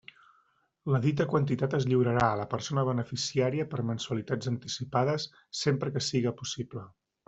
La dita quantitat es lliurarà a la persona beneficiària per mensualitats anticipades, sempre que siga possible.